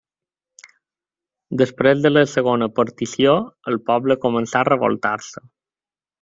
Després de la segona partició, el poble començà a revoltar-se.